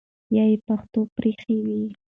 یا ئی پښتو پرېښې وي